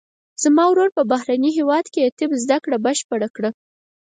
زما ورور په بهرني هیواد کې د طب زده کړه بشپړه کړه